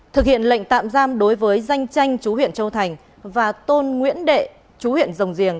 thực hiện lệnh tạm giam đối với danh tranh chú huyện châu thành và tôn nguyễn đệ chú huyện rồng giềng